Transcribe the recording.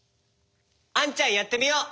あんちゃんやってみよう。